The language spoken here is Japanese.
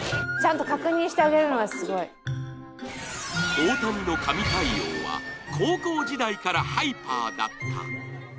大谷の神対応は高校時代からハイパーだった。